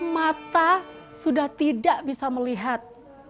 mata sudah tidak bisa melihat